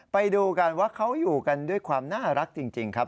ไปดูกันว่าเขาอยู่กันด้วยความน่ารักจริงครับ